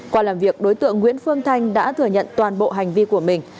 qua làm việc đối tượng nguyễn phương thanh đã thừa nhận toàn bộ hành vi của mình